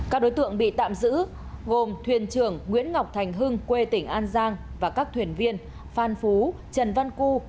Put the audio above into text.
các đối tượng bị tạm giữ gồm thuyền trưởng nguyễn ngọc thành hưng quê tỉnh an giang và các thuyền viên phan phú trần văn cư